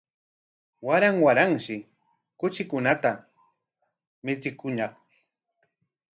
Waran waranshi kuchikunata michikuñaq